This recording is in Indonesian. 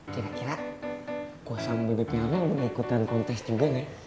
kira kira gue sama bebe piano boleh ikutan kontes juga gak ya